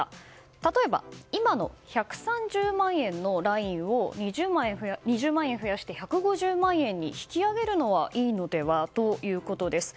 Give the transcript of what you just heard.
例えば今の１３０万円のラインを２０万円増やして１５０万円に引き上げるのはいいのではということです。